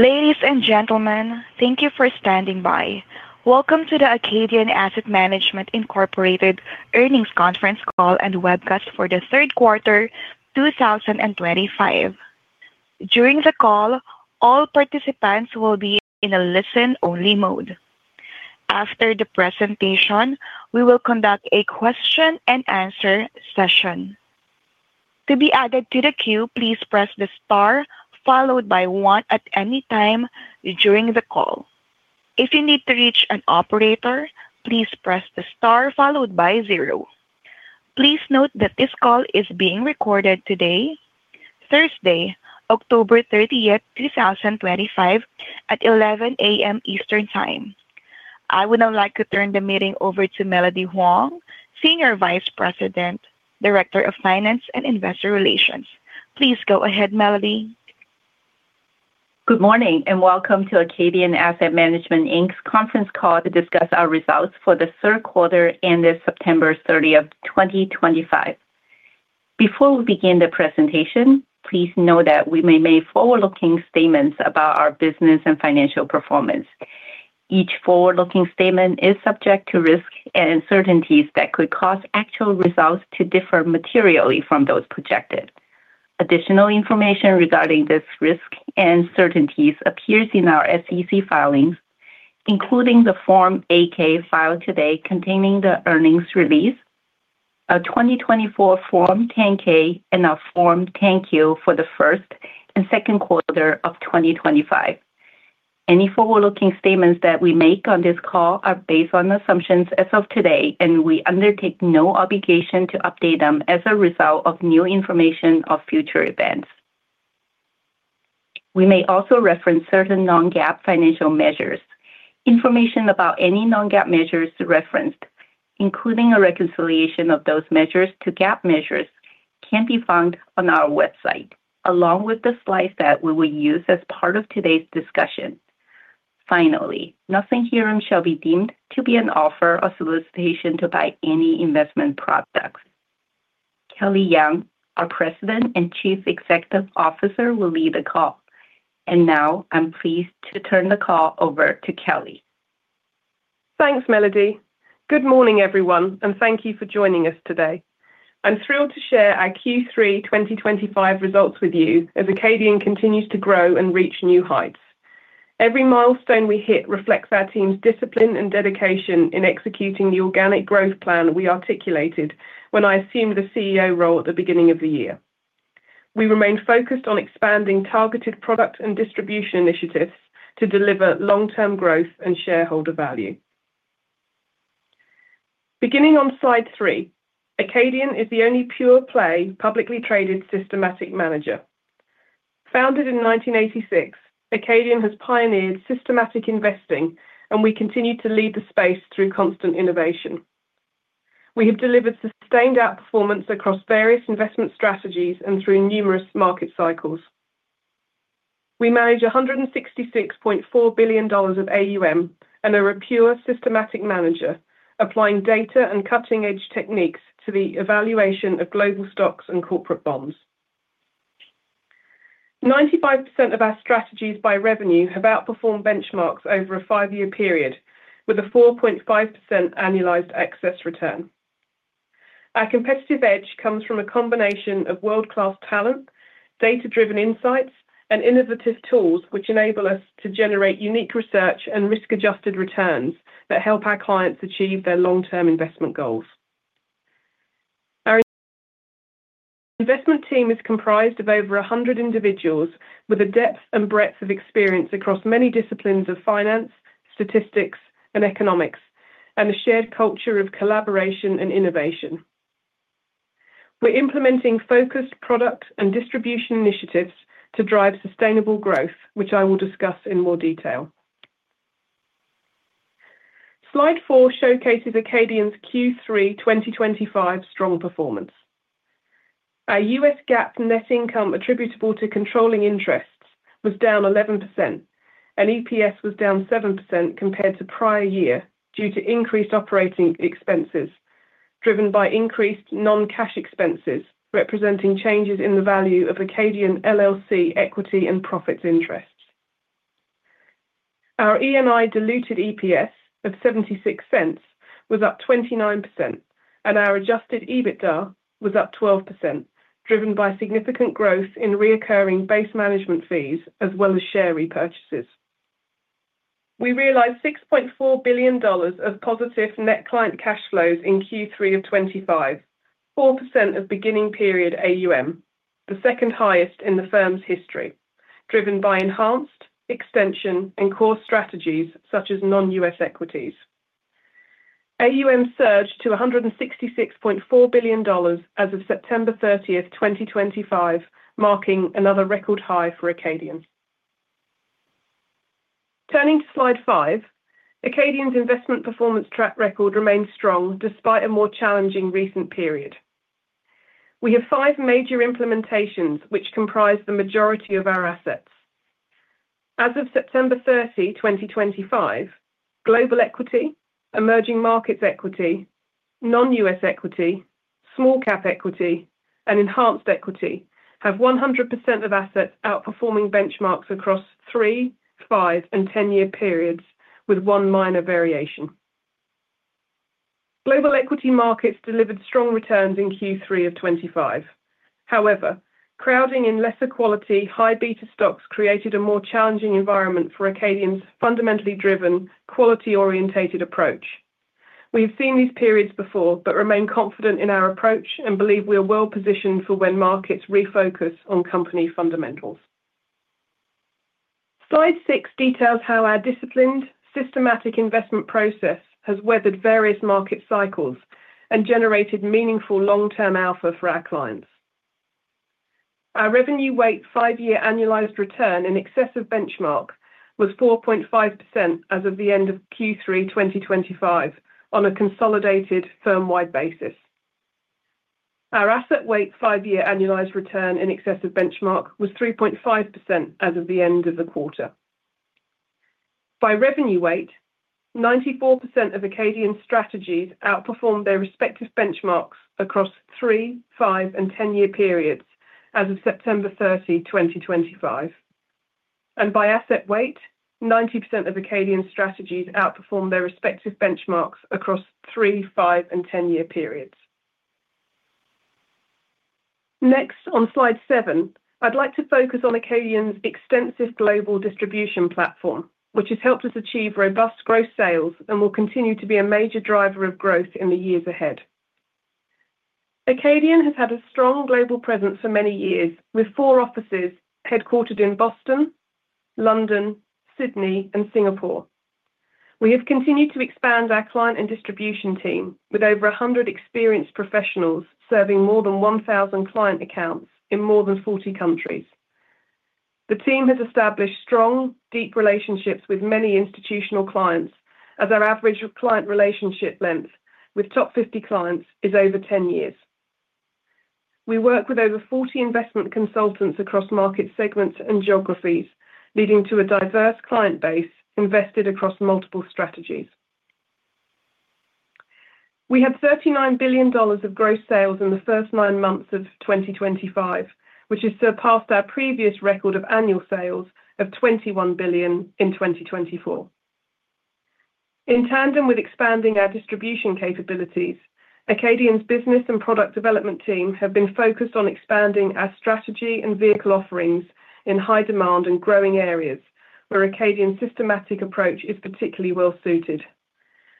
Ladies and gentlemen, thank you for standing by. Welcome to the Acadian Asset Management Inc Earnings Conference Call and Webcast for the Third Quarter 2025. During the call, all participants will be in a listen-only mode. After the presentation, we will conduct a question-and-answer session. To be added to the queue, please press the star followed by one at any time during the call. If you need to reach an operator, please press the star followed by zero. Please note that this call is being recorded today, Thursday, October 30th, 2025 at 11:00 A.M. Eastern Time. I would now like to turn the meeting over to Melody Huang, Senior Vice President and Director of Finance and Investor Relations. Please go ahead, Melody. Good morning and welcome to Acadian Asset Management Inc's conference call to discuss our results for the third quarter ended September 30th, 2025. Before we begin the presentation, please note that we may make forward-looking statements about our business and financial performance. Each forward-looking statement is subject to risks and uncertainties that could cause actual results to differ materially from those projected. Additional information regarding these risks and uncertainties appears in our SEC filings, including the Form 8-K filed today containing the earnings release, a 2024 Form 10-K, and a Form 10-Q for the first and second quarter of 2025. Any forward-looking statements that we make on this call are based on assumptions as of today and we undertake no obligation to update them as a result of new information or future events. We may also reference certain non-GAAP financial measures. Information about any non-GAAP measures referenced, including a reconciliation of those measures to GAAP measures, can be found on our website along with the slides that we will use as part of today's discussion. Finally, nothing here shall be deemed to be an offer or solicitation to buy any investment products. Kelly Young, our President and Chief Executive Officer, will lead the call. And now, I am pleased to turn the call over to Kelly. Thanks, Melody. Good morning everyone, and thank you for joining us today. I'm thrilled to share our Q3 2025 results with you. As Acadian continues to grow and reach new heights, every milestone we hit reflects our team's discipline and dedication in executing the organic growth plan we articulated when I assumed the CEO role at the beginning of the year. We remain focused on expanding targeted product and distribution initiatives to deliver long-term growth and shareholder value. Beginning on Slide 3, Acadian is the only pure-play publicly traded systematic manager. Founded in 1986, Acadian has pioneered systematic investing and we continue to lead the space through constant innovation. We have delivered sustained outperformance across various investment strategies and through numerous market cycles. We manage $166.4 billion of AUM and are a pure systematic manager applying data and cutting-edge techniques to the evaluation of global stocks and corporate bonds. 95% of our strategies by revenue have outperformed benchmarks over a five-year period with a 4.5% annualized excess return. Our competitive edge comes from a combination of world-class talent, data-driven insights, and innovative tools which enable us to generate unique research and risk-adjusted returns that help our clients achieve their long-term investment goals. Our investment team is comprised of over 100 individuals with a depth and breadth of experience across many disciplines of finance, statistics, and economics and a shared culture of collaboration and innovation. We're implementing focused product and distribution initiatives to drive sustainable growth which I will discuss in more detail. Slide 4 showcases Acadian's Q3 2025 strong performance. Our U.S. GAAP net income attributable to controlling interests was down 11% and EPS was down 7% compared to prior year due to increased operating expenses driven by increased non-cash expenses representing changes in the value of Acadian LLC equity and profits interest. Our ENI diluted EPS of $0.76 was up 29% and our adjusted EBITDA was up 12% driven by significant growth in recurring base management fees as well as share repurchases. We realized $6.4 billion of positive net client cash flows in Q3 2025, 4% of beginning period AUM, the second highest in the firm's history, driven by enhanced, extension, and core strategies such as non-U.S. equities. AUM surged to $166.4 billion as of September 30th, 2025, marking another record high for Acadian. Turning to Slide 5, Acadian's investment performance track record remains strong despite a more challenging recent period. We have five major implementations which comprise the majority of our assets. As of September 30, 2025, global equity, emerging markets equity, non-U.S. equity, small-cap equity, and enhanced equity have 100% of assets outperforming benchmarks across 3, 5, and 10-year periods with one minor variation. Global equity markets delivered strong returns in Q3 of 25. However, crowding in lesser quality high beta stocks created a more challenging environment for Acadian's fundamentally driven quality-oriented approach. We have seen these periods before but remain confident in our approach and believe we are well-positioned for when markets refocus on company fundamentals. Slide 6 details how our disciplined systematic investment process has weathered various market cycles and generated meaningful long-term alpha for our clients. Our revenue-weighted 5-year annualized return in excess of benchmark was 4.5% as of the end of Q3 2025. On a consolidated firm-wide basis, our asset-weighted 5-year annualized return in excess of benchmark was 3.5% as of the end of the quarter. By revenue weight, 94% of Acadian strategies outperformed their respective benchmarks across 3, 5, and 10-year periods as of September 30, 2025, and by asset weight, 90% of Acadian strategies outperform their respective benchmarks across 3, 5, and 10-year periods. Next, on Slide 7, I'd like to focus on Acadian's extensive global distribution platform which has helped us achieve robust gross sales and will continue to be a major driver of growth in the years ahead. Acadian has had a strong global presence for many years with four offices headquartered in Boston, London, Sydney, and Singapore. We have continued to expand our client and distribution team with over 100 experienced professionals serving more than 1,000 client accounts in more than 40 countries. The team has established strong, deep relationships with many institutional clients as our average client relationship length with top 50 clients is over 10 years. We work with over 40 investment consultants across market segments and geographies, leading to a diverse client base invested across multiple strategies. We had $39 billion of gross sales in the first nine months of 2025, which has surpassed our previous record of annual sales of $21 billion in 2024. In tandem with expanding our distribution capabilities, Acadian's business and product development team have been focused on expanding our strategy and vehicle offerings in high-demand and growing areas where Acadian systematic approach is particularly well suited.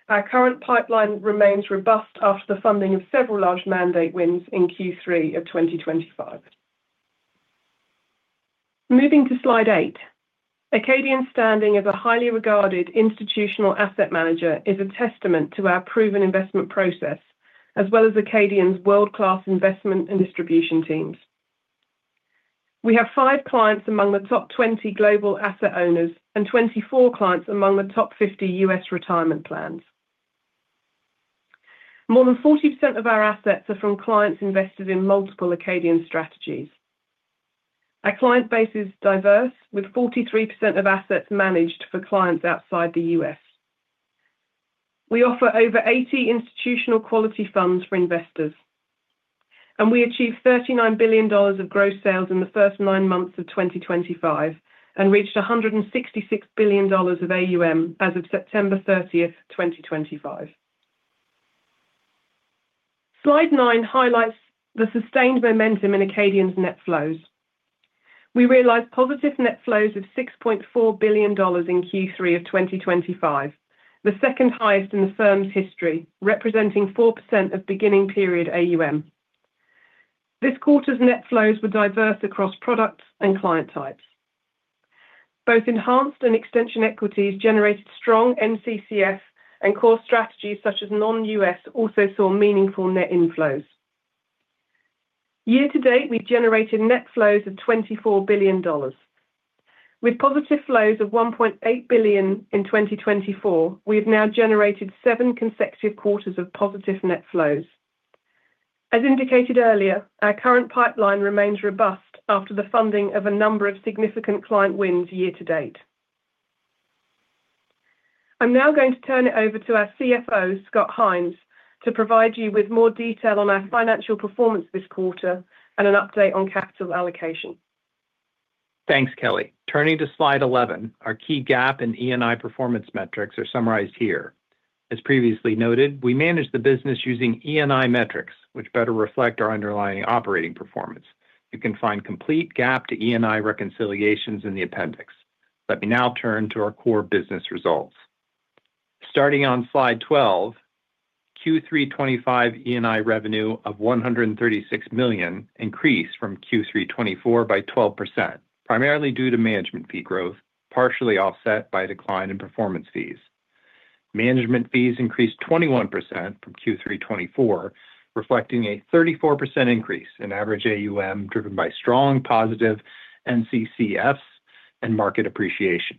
Our current pipeline remains robust after the funding of several large mandate wins in Q3 of 2025. Moving to Slide 8, Acadian standing as a highly regarded institutional asset manager is a testament to our proven investment process as well as Acadian's world-class investment and distribution teams. We have five clients among the top 20 global asset owners and 24 clients among the top 50 U.S. retirement plans. More than 40% of our assets are from clients invested in multiple Acadian strategies. Our client base is diverse, with 43% of assets managed for clients outside the U.S. We offer over 80 institutional-quality funds for investors, and we achieved $39 billion of gross sales in the first nine months of 2025 and reached $166 billion of AUM as of September 30th, 2025. Slide 9 highlights the sustained momentum in Acadian's net flows. We realized positive net flows of $6.4 billion in Q3 of 2025, the second-highest in the firm's history, representing 4% of beginning period AUM. This quarter's net flows were diverse across products and client types. Both enhanced and extension equities generated strong NCCF, and core strategies such as non-U.S. also saw meaningful net inflows. Year-to-date, we generated net flows of $24 billion with positive flows of $1.8 billion in 2024. We have now generated seven consecutive quarters of positive net flows. As indicated earlier, our current pipeline remains robust after the funding of a number of significant client wins year-to-date. I'm now going to turn it over to our CFO, Scott Hynes, to provide you with more detail on our financial performance this quarter and an update on capital allocation. Thanks, Kelly. Turning to slide 11, our key GAAP and ENI performance metrics are summarized here. As previously noted, we manage the business using ENI metrics, which better reflect our underlying operating performance. You can find complete GAAP to ENI reconciliations in the Appendix. Let me now turn to our core business results. Starting on slide 12, Q3 2025 ENI revenue of $136 million increased from Q3 2024 by 12%, primarily due to management fee growth, partially offset by a decline in performance fees. Management fees increased 21% from Q3 2024, reflecting a 34% increase in average AUM driven by strong positive NCCFs and market appreciation.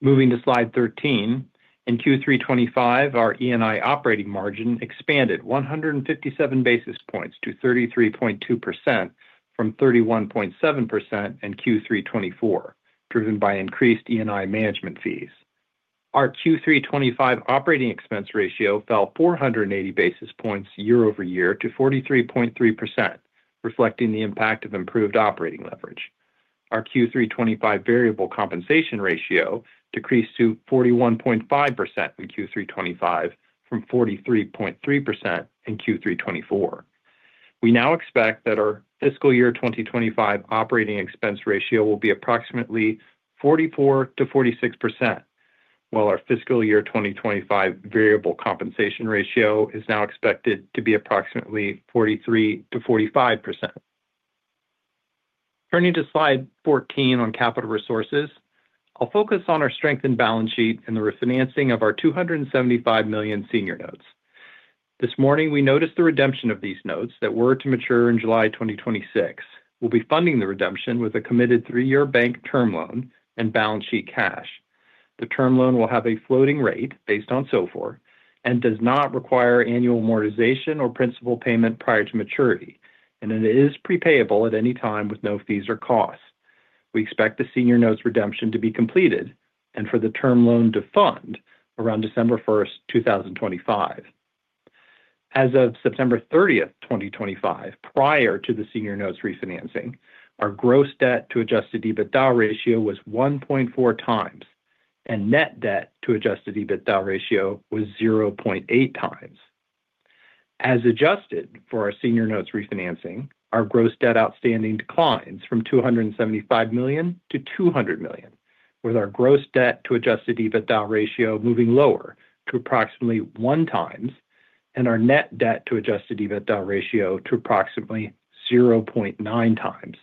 Moving to slide 13, in Q3 2025, our ENI operating margin expanded 157 basis points to 33.2% from 31.7% in Q3 2024, driven by increased ENI management fees. Our Q3 2025 operating expense ratio fell 480 basis points year-over-year to 43.3%, reflecting the impact of improved operating leverage. Our Q3 2025 variable compensation ratio decreased to 41.5% in Q3 2025 from 43.3% in Q3 2024. We now expect that our fiscal year 2025 operating expense ratio will be approximately 44%-46%, while our fiscal year 2025 variable compensation ratio is now expected to be approximately 43%-45%. Turning to slide 14 on capital resources, I'll focus on our strengthened balance sheet and the refinancing of our $275 million senior notes. This morning we noticed the redemption of these notes that were to mature in July 2026. We'll be funding the redemption with a committed three-year bank term loan and balance sheet cash. The term loan will have a floating rate based on SOFR and does not require annual amortization or principal payment prior to maturity and it is prepayable at any time with no fees or costs. We expect the senior notes redemption to be completed and for the term loan to fund around December 1st, 2025. As of September 30th, 2025, prior to the senior notes refinancing, our gross debt-to-adjusted EBITDA ratio was 1.4x and net debt-to-adjusted EBITDA ratio was 0.8x. As adjusted for our senior notes refinancing, our gross debt outstanding declines from $275 million-$200 million with our gross debt-to-adjusted EBITDA ratio moving lower to approximately 1 and our net debt-to-adjusted EBITDA ratio to approximately 0.9x.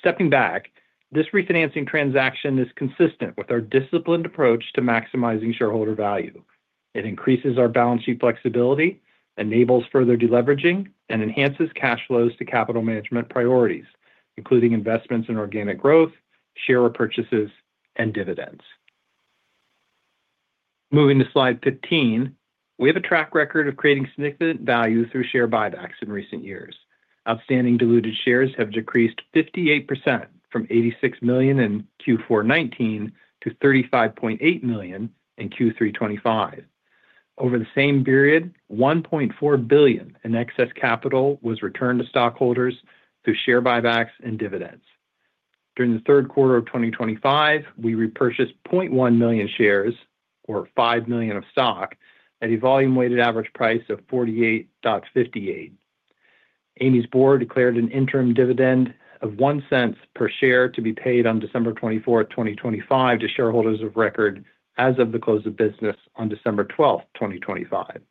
Stepping back, this refinancing transaction is consistent with our disciplined approach to maximizing shareholder value. It increases our balance sheet flexibility, enables further deleveraging, and enhances cash flows to capital management priorities including investments in organic growth, share repurchases, and dividends. Moving to slide 15, we have a track record of creating significant value through share buybacks. In recent years, outstanding diluted shares have decreased 58% from 86 million in Q4 2019 to 35.8 million in Q3 2025. Over the same period, $1.4 billion in excess capital was returned to stockholders through share buybacks and dividends. During the third quarter of 2025, we repurchased 0.1 million shares, or $5 million of stock, at a volume weighted average price of $48.58. Amy's board declared an interim dividend of $0.01 per share to be paid on December 24, 2025, to shareholders of record as of the close of business on December 12, 2025.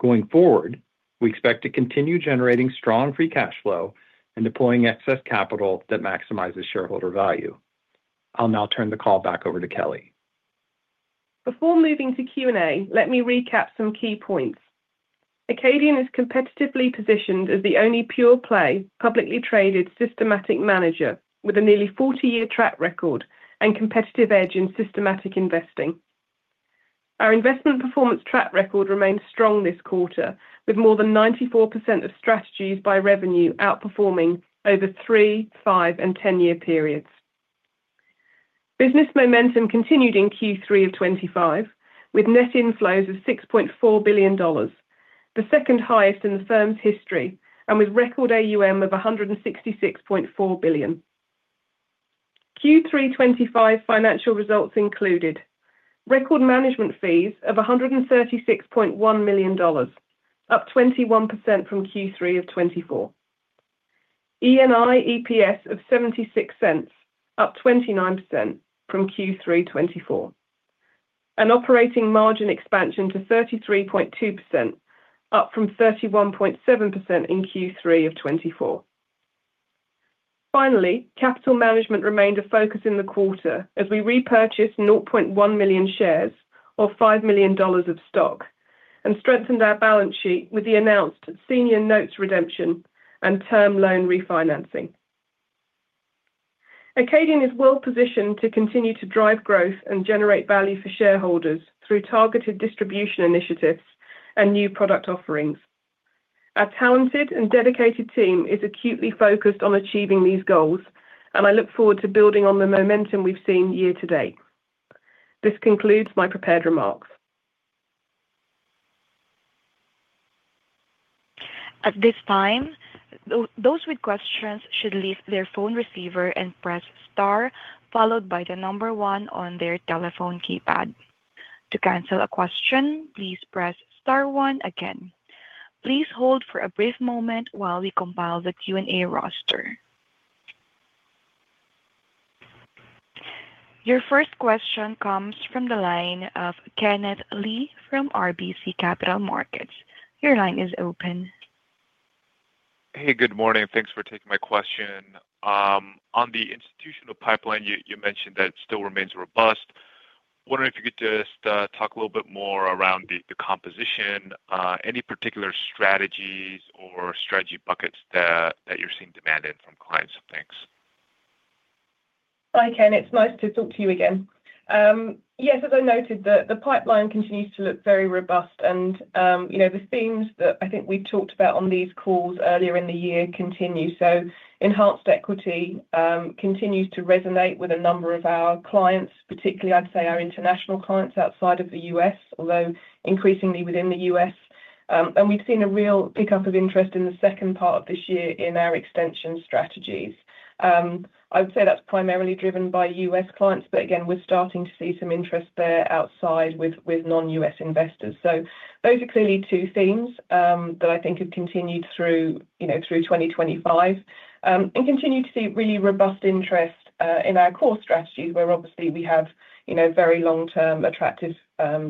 Going forward, we expect to continue generating strong free cash flow and deploying excess capital that maximizes shareholder value. I'll now turn the call back over to Kelly. Before moving to Q&A, let me recap some key points. Acadian is competitively positioned as the only pure-play publicly traded systematic manager with a nearly 40-year track record and competitive edge in systematic investing. Our investment performance track record remained strong this quarter with more than 94% of strategies by revenue outperforming over 3, 5, and 10-year periods. Business momentum continued in Q3 2025 with net inflows of $6.4 billion, the second highest in the firm's history, and with record AUM of $166.4 billion. Q3 2025 financial results included record management fees of $136.1 million, up 21% from Q3 2024, ENI EPS of $0.76, up 29% from Q3 2024, and operating margin expansion to 33.2%, up from 31.7% in Q3 2024. Finally, capital management remained a focus in the quarter as we repurchased 0.1 million shares, or $5 million of stock, and strengthened our balance sheet with the announced Senior Notes redemption and Term Loan refinancing. Acadian is well-positioned to continue to drive growth and generate value for shareholders through targeted distribution initiatives and new product offerings. Our talented and dedicated team is acutely focused on achieving these goals and I look forward to building on the momentum we've seen year to date. This concludes my prepared remarks. At this time, those with questions should leave their phone receiver and press star followed by the number one on their telephone keypad. To cancel a question, please press star one again. Please hold for a brief moment while we compile the Q&A roster. Your first question comes from the line of Kenneth Lee from RBC Capital Markets. Your line is open. Hey, good morning. Thanks for taking my question. On the institutional pipeline you mentioned that it still remains robust. Wondering if you could just talk a little bit more around the composition. Any particular strategies or strategy buckets that you're seeing demand in from clients? Thanks. Hi Ken, it's nice to talk to you again. Yes, as I noted, the pipeline continues to look very robust, and the themes that I think we talked about on these calls earlier in the year continue. So enhanced equity continues to resonate with a number of our clients, particularly I'd say our international clients outside of the U.S., although increasingly within the U.S., and we've seen a real pickup of interest in the second part of this year in our extension strategies. I would say that's primarily driven by U.S. clients, but again we're starting to see some interest there outside with non-U.S. investors. Those are clearly two themes that I think have continued through 2025 and continue to see really robust interest in our core strategies, where obviously we have very long-term attractive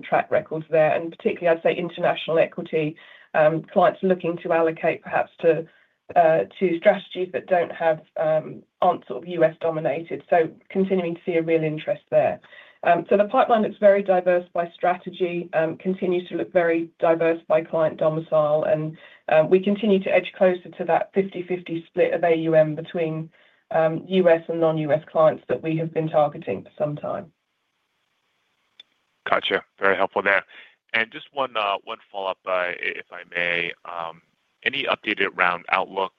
track records there, and particularly I'd say international equity clients looking to allocate perhaps to strategies that aren't sort of U.S. dominated. So continuing to see a real interest there. The pipeline looks very diverse by strategy, continues to look very diverse by client domicile, and we continue to edge closer to that 50/50 split of AUM between U.S. and non-U.S. clients. We have been targeting for some time. Gotcha. Very helpful there. Just one follow-up if I may. Any update around Outlook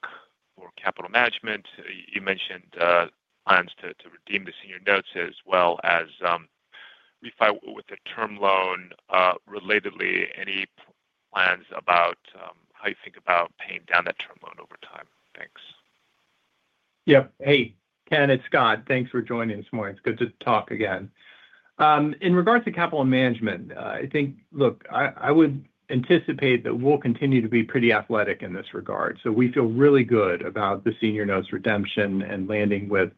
Capital Management? You mentioned plans to redeem the senior notes as well as refinance with the term loan relatedly, any plans about how you think about paying down that term loan over time? Thanks. Yep. Hey Ken, it's Scott. Thanks for joining us more. It's good to talk again in regards to capital management. I think, look, I would anticipate that we'll continue to be pretty athletic in this regard. So we feel really good about the senior notes redemption and landing with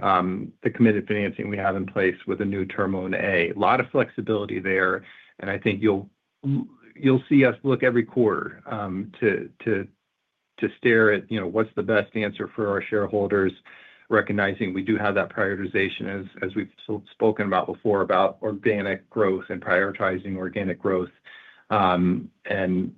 the committed financing we have in place with a new Term Loan A, lot of flexibility there. And I think you'll see us look every quarter to steer at, you know, what's the best answer for our shareholders, recognizing we do have that prioritization as we've spoken about before about organic growth and prioritizing organic growth and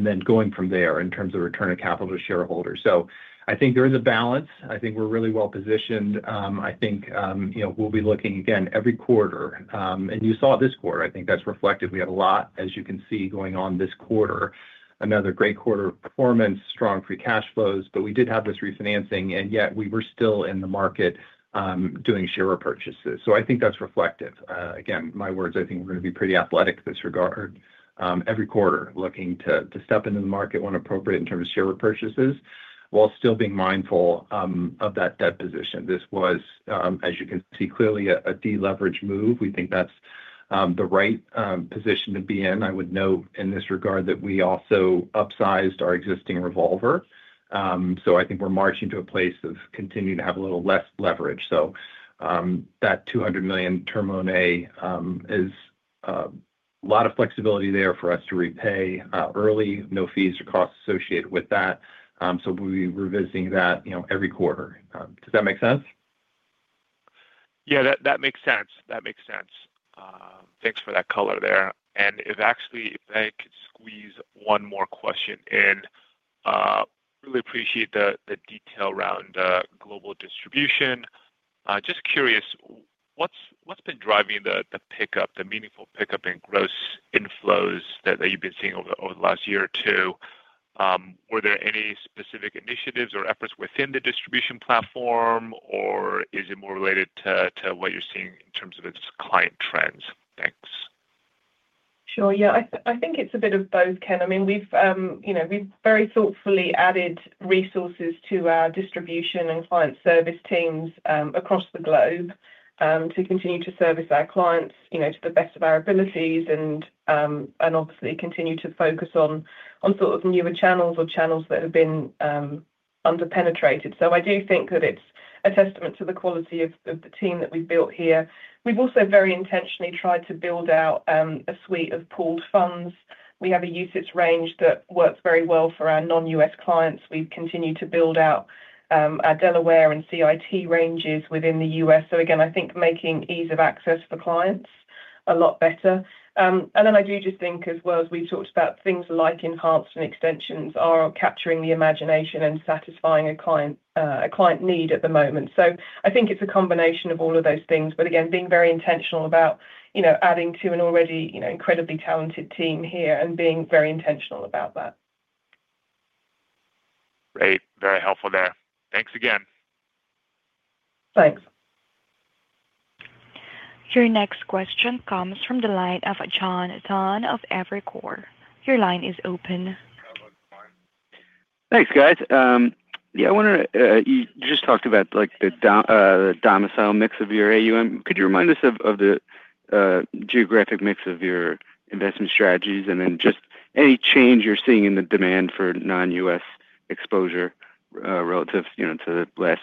then going from there in terms of return of capital to shareholders. So I think during the balance. I think we're really well-positioned. I think, you know, we'll be looking again every quarter. And you saw this quarter, I think that's reflected. We have a lot, as you can see, going on this quarter, another great quarter performance, strong free cash flows. We did have this refinancing and yet we were still in the market doing share repurchases. I think that's reflective. Again, my words, I think we're going to be pretty athletic in this regard every quarter, looking to step into the market when appropriate in terms of share repurchases while still being mindful of that debt position. This was, as you can see, clearly a deleverage move. We think that's the right position to be in. I would note in this regard that we also upsized our existing revolver. I think we're marching to a place of continuing to have a little less leverage. So that $200 million Term Loan A is a lot of flexibility there for us to repay early, no fees or costs associated with that. So we'll be revisiting that, you know, every quarter. Does that make sense? Yeah, that makes sense. Thanks for that color there. If I could squeeze one more question in, I really appreciate the detail around global distribution. Just curious what's been driving the pickup, the meaningful pickup in gross inflows that you've been seeing over the last year or two. Were there any specific initiatives or efforts within the distribution platform, or is it more related to what you're seeing in terms of its client trends? Thanks. Sure. Yeah, I think it's a bit of both, Ken. I mean, we've very thoughtfully added resources to our distribution and client service teams across the globe to continue to service our clients to the best of our abilities and obviously continue to focus on sort of newer channels or channels that have been underpenetrated. So I do think that it's a testament to the quality of the team that we've built here. We've also very intentionally tried to build out a suite of pooled funds. We have a usage range that works very well for our non-U.S. clients. We continue to build out our Delaware and CIT ranges within the U.S., so again, I think making ease of access for clients, a lot better. I do just think, as well as we talked about, things like enhanced and extension strategies are capturing the imagination and satisfying a client need at the moment. So I think it's a combination of all of those things. Again, being very intentional about adding to an already incredibly talented team here and being very intentional about that. Great, very helpful there. Thanks again. Thanks. Your next question comes from the line of John Dunn of Evercore. Your line is open. Thanks, guys. Yeah, I wonder, you just talked about like the domicile mix of your AUM. Could you remind us of the geographic mix of your investment strategies, and then just any change you're seeing in the demand for non-U.S. exposure relative, you know, to the last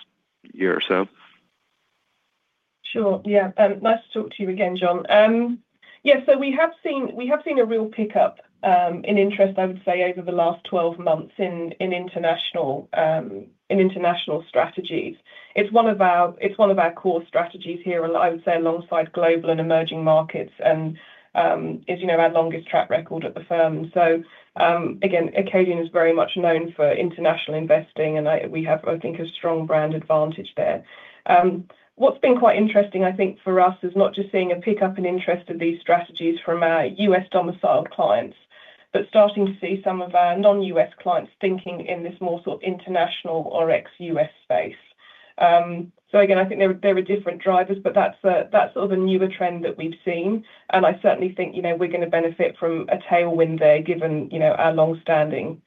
year or so. Sure, yeah. Nice to talk to you again, John. Yes. We have seen a real pickup in interest, I would say, over the last 12 months in international strategies. It's one of our core strategies here, I would say, alongside global and emerging markets, and is, you know, our longest track record at the firm. Again, Acadian is very much known for international investing, and we have, I think, a strong brand advantage there. What's been quite interesting, I think for us, is not just seeing a pickup in interest of these strategies from our U.S. domiciled clients, but starting to see some of our non-U.S. clients thinking in this more sort of international or ex-U.S. space. I think there are different drivers, but that's sort of a newer trend that we've seen, and I certainly think, you know, we're going to benefit from tailwind there, given our long-standing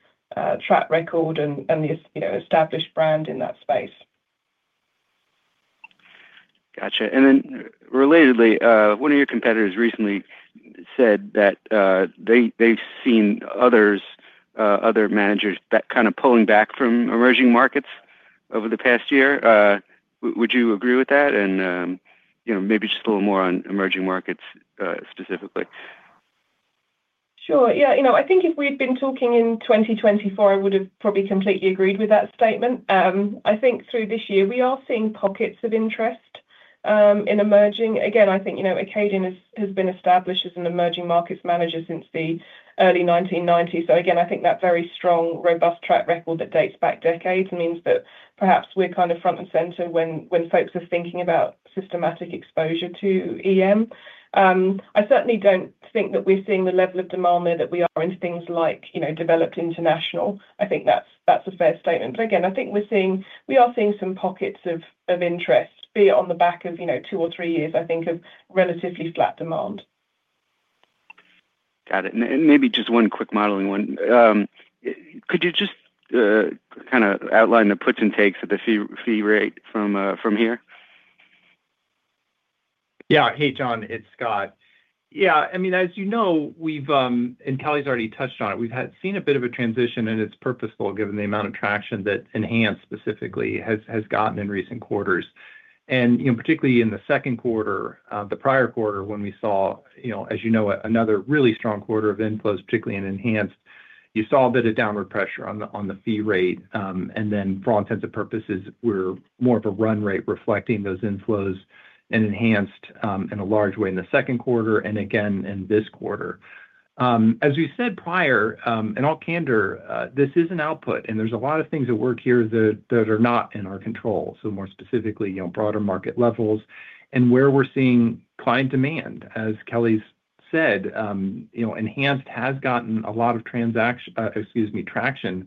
track record and the established brand in that space. Gotcha. And then relatedly, one of your competitors recently said that they've seen other managers kind of pulling back from emerging markets over the past year. Would you agree with that, and maybe just a little more on emerging markets specifically? Sure, yeah. I think if we'd been talking in 2024, I would have probably completely agreed with that statement. I think through this year we are seeing pockets of interest in emerging. Again, I think Acadian has been established as an emerging markets manager since the early 1990s. I think that very strong, robust track record that dates back decades means that perhaps we're kind of front and center when folks are thinking about systematic exposure to EM. I certainly don't think that we're seeing the level of demand there that we are in things like developed international. I think that's a fair statement. I think we are seeing some pockets of interest, be it on the back of two or three years of relatively flat demand. Got it. And maybe just one quick modeling one. Could you just kind of outline the puts and takes of the fee rate from here? Yeah. Hey, John, it's Scott. As you know, we've, and Kelly's already touched on it, we've seen a bit of a transition and it's purposeful given the amount of traction that Enhanced specifically has gotten in recent quarters. And particularly in the second quarter, the prior quarter when we saw another really strong quarter of inflows, particularly in Enhanced, you saw a bit of downward pressure on the fee rate. And then for all intents and purposes, we're more of a run rate reflecting those inflows and Enhanced in a large way in the second quarter and again in this quarter. As we said prior, in all candor, this is an output and there's a lot of things at work here that are not in our control. More specifically, broader market levels and where we're seeing client demand. As Kelly said, Enhanced has gotten a lot of traction in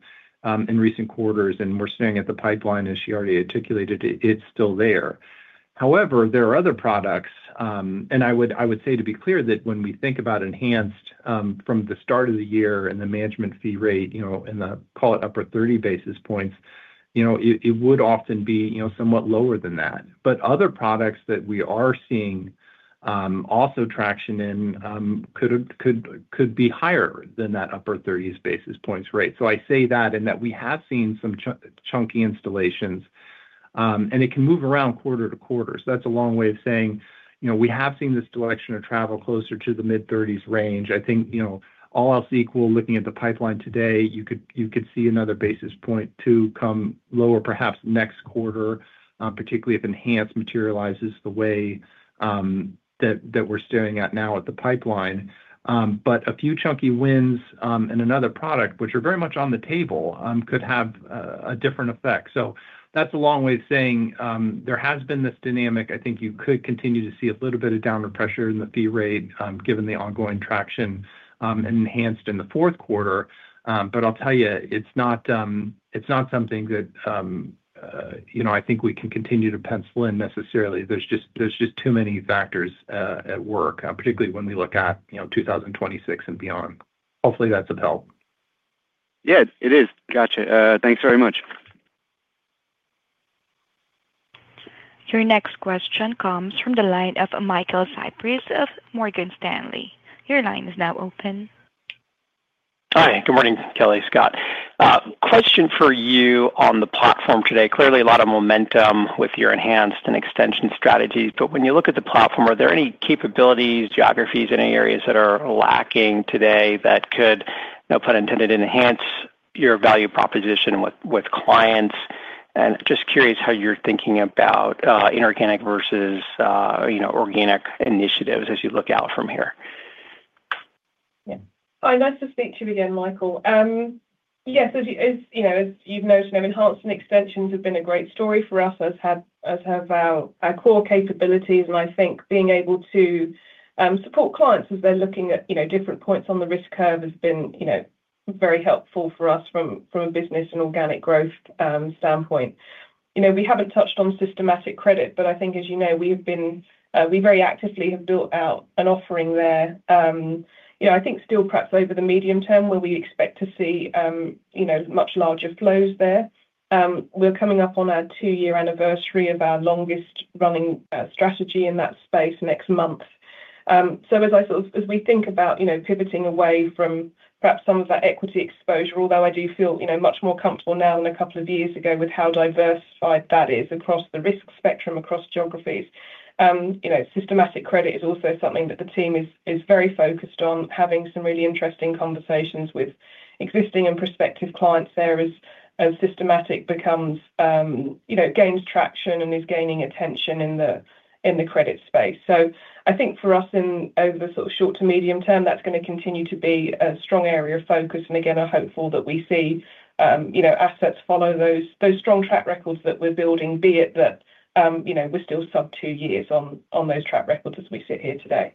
recent quarters, and we're seeing at the pipeline, as she already articulated, it's still there. However, there are other products and I would say, to be clear, that when we think about Enhanced from the start of the year and the management fee rate and call it upper 30 basis points, it would often be somewhat lower than that. But other products that we are seeing also traction in could be higher than that upper 30s basis points rate. I say that in that we have seen some chunky installations and it can move around quarter-to-quarter. That's a long way of saying we have seen this direction of travel closer to the mid-30s range. I think, all else equal, looking at the pipeline today, you could see another basis point to come lower perhaps next quarter, particularly if Enhanced materializes the way that we're staring at now at the pipeline. But a few chunky wins and another product which are very much on the table could have a different effect. So that's a long way of saying there has been this dynamic. I think you could continue to see a little bit of downward pressure in the fee rate given the ongoing traction Enhanced in the fourth quarter. But I'll tell you, it's not something that I think we can continue to pencil in necessarily. There's just too many factors at work, particularly when we look at 2026 and beyond. Hopefully that's of help. Yeah, it is. Gotcha. Thanks very much. Your next question comes from the line of Michael Cyprys of Morgan Stanley. Your line is now open. Hi, good morning, Kelly, Scott. Question for you on the platform today. Clearly a lot of momentum with your Enhanced and Extension Strategies. When you look at the platform, are there any capabilities, geographies, any areas that are lacking today that could, no pun intended, enhance your value proposition with clients? And just curious how you're thinking about inorganic versus, you know, organic initiatives as you look out from here. Hi, nice to speak to you again, Michael. Yes. You know, as you've noticed, Enhanced and Extensions have been a great story for us, as have our core capabilities. I think being able to support clients as they're looking at different points on the risk curve has been very helpful for us from a business and organic growth standpoint. We haven't touched on systematic credit, but I think, as you know, we very actively have built out an offering there. I think still, perhaps over the medium term, we expect to see much larger flows there. We're coming up on our two-year anniversary of our longest-running strategy in that space next month. As we think about pivoting away from perhaps some of that equity exposure, although I do feel much more comfortable now than a couple of years ago with how diversified that is across the risk spectrum across geographies. Systematic credit is also something that the team is very focused on, having some really interesting conversations with existing and prospective clients there as systematic becomes, you know, gains traction and is gaining attention in the credit space. So I think for us in over the sort of short to medium term that's going to continue to be a strong area of focus and again are hopeful that we see assets follow those strong track records that we're building, be it that we're still sub two years on those track records as we sit here today.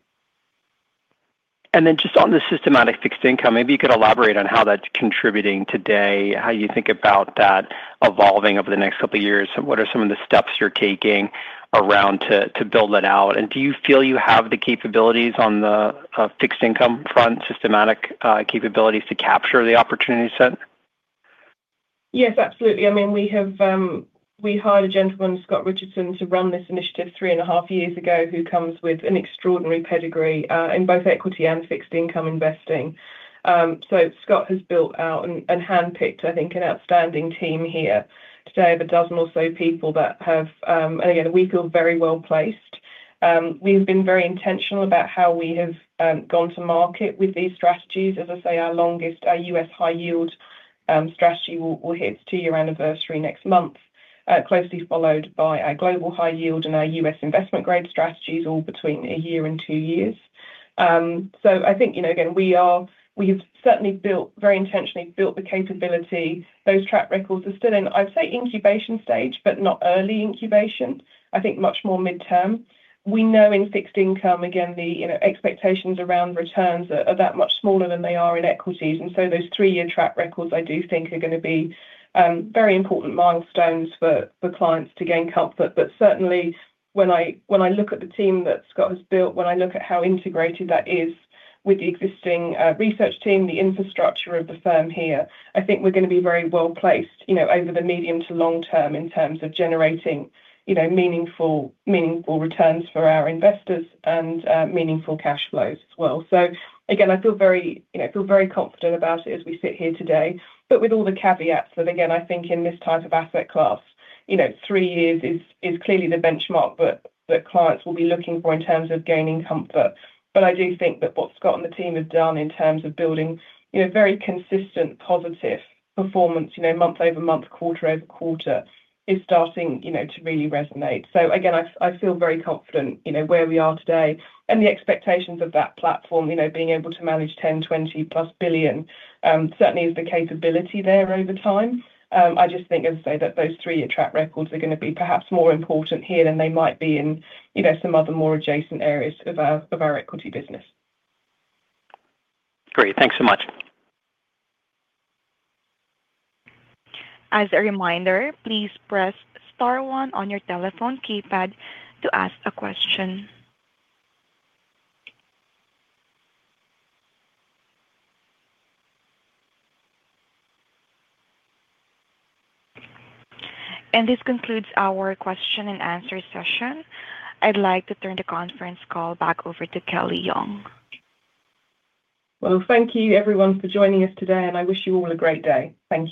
On the systematic fixed income, maybe you could elaborate on how that's contributing today? How you think about that evolving over the next couple years? And what are some of the steps you're taking around to build that out, and do you feel you have the capabilities on the fixed income front, systematic capabilities to capture the opportunity set? Yes, absolutely. I mean we hired a gentleman, Scott Richardson, to run this initiative three and a half years ago who comes with an extraordinary pedigree in both equity and fixed income investing. So Scott has built out and handpicked, I think, an outstanding team here today of a dozen or so people. We feel very well placed. We have been very intentional about how we have gone to market with these strategies. As I say, our longest U.S. high yield strategy will hit its two-year anniversary next month, closely followed by our global high yield and our U.S. investment grade strategies, all between a year and two years. I think we have certainly built, very intentionally built, the capability. Those track records are still in, I'd say, incubation stage, but not early incubation, I think much more mid-term. We know in fixed income, expectations around returns are that much smaller than they are in equities. Those three-year track records, I do think, are going to be very important milestones for clients to gain comfort. Certainly, when I look at the team that Scott has built, when I look at how integrated that is with the existing research team, the infrastructure of the firm here, I think we're going to be very well placed over the medium to long term in terms of generating meaningful returns for our investors and meaningful cash flows as well. I feel very confident about it as we. Sit here today but with all the caveats that again, I think in this type of asset class, you know, three years is clearly the benchmark that clients will be looking for in terms of gaining comfort. I do think that what Scott and the team have done in terms. Building very consistent positive performance month-over-month, quarter-over-quarter, is starting to really resonate. I feel very confident where we are today and the expectations of that platform being able to manage $10 billion, $20+ billion, certainly is the capability there over time. I just think, as I say, that those three-year track records are going to be perhaps more important here than they might be in some other more adjacent areas of our equity business. Great. Thanks so much. As a reminder, please press star one on your telephone keypad to ask a question. This concludes our question-and-answer session. I'd like to turn the conference call back over to Kelly Young. Thank you everyone for joining us today and I wish you all a great day. Thank you.